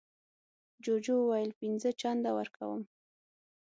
جوجو وویل پینځه چنده ورکوم.